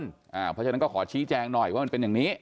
เพราะฉะนั้นก็ขอชี้แจงหน่อยว่ามันเป็นอย่างนี้